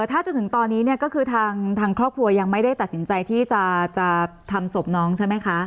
ถ้าจนถึงตอนนี้เนี่ยก็คือทางครอบครัวยังไม่ได้ตัดสินใจที่จะทำศพน้องใช่ไหมคะ